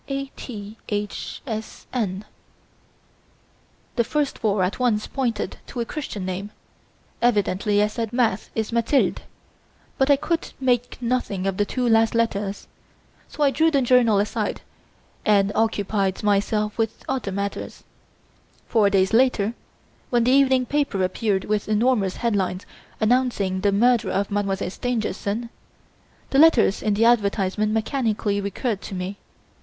A. T. H. S. N. The first four at once pointed to a Christian name; evidently I said Math is Mathilde. But I could make nothing of the two last letters. So I threw the journal aside and occupied myself with other matters. Four days later, when the evening paper appeared with enormous head lines announcing the murder of Mademoiselle Stangerson, the letters in the advertisement mechanically recurred to me.